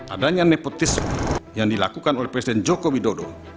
adanya nepotisme yang dilakukan oleh presiden joko widodo